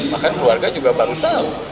bahkan keluarga juga baru tahu